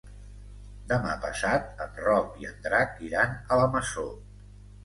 Demà passat en Roc i en Drac iran a la Masó.